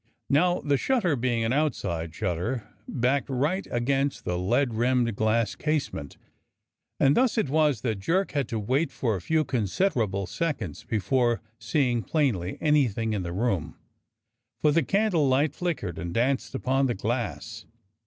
Now the shutter, being an outside shutter, backed right against the lead rimmed glass casement, and thus it was that Jerk had to wait for a few con siderable seconds before seeing plainly anything in the room, for the candlelight flickered and danced upon the glass.